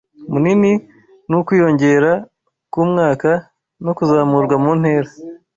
munini nukwiyongera kumwaka no kuzamurwa mu ntera